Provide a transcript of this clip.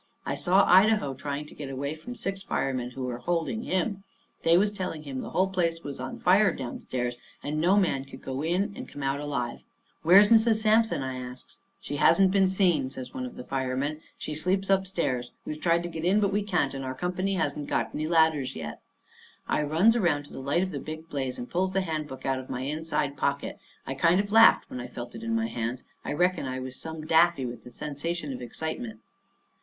I saw Idaho trying to get away from six firemen who were holding him. They was telling him the whole place was on fire down stairs, and no man could go in it and come out alive. "Where's Mrs. Sampson?" I asks. "She hasn't been seen," says one of the firemen. "She sleeps up stairs. We've tried to get in, but we can't, and our company hasn't got any ladders yet." I runs around to the light of the big blaze, and pulls the Handbook out of my inside pocket. I kind of laughed when I felt it in my hands —I reckon I was some daffy with the sensation of excitement.